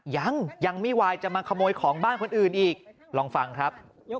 ยังยังไม่วายจะมาขโมยของบ้านคนอื่นอีกลองฟังครับ